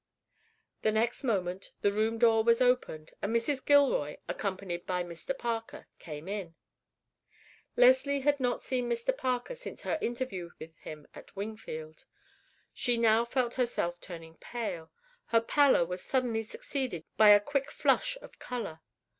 The next moment the room door was opened, and Mrs. Gilroy, accompanied by Mr. Parker, came in. Leslie had not seen Mr. Parker since her interview with him at Wingfield. She now felt herself turning pale; her pallor was suddenly succeeded by a quick flush of color.